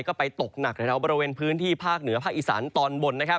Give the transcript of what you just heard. ก็ไปตกหนักแถวบริเวณพื้นที่ภาคเหนือภาคอีสานตอนบนนะครับ